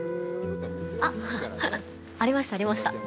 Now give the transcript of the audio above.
あっ、ありましたありました。